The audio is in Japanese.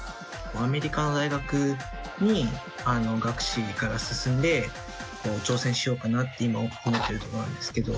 アメリカの大学に学士から進んで挑戦しようかなって今思ってるところなんですけど。